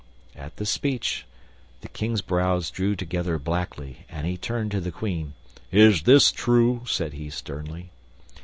At this speech the King's brows drew together blackly, and he turned to the Queen. "Is this true?" said he sternly.